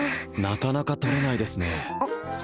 なかなか取れないですね